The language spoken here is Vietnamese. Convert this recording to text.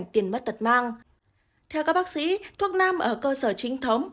theo các bác sĩ thuốc nam ở cơ sở chính thống